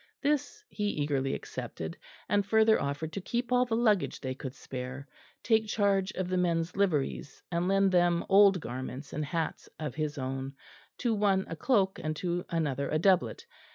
This he eagerly accepted, and further offered to keep all the luggage they could spare, take charge of the men's liveries, and lend them old garments and hats of his own to one a cloak, and to another a doublet.